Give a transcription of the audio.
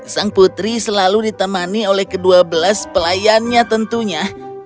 sang putri selalu ditemani oleh kedua belas pelayannya tentunya